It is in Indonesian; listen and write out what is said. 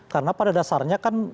karena pada dasarnya kan